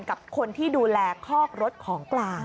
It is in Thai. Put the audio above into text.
กับคนที่ดูแลคอกรถของกลาง